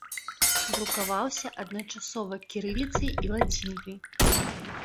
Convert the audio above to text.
Друкаваўся адначасова кірыліцай і лацінкай.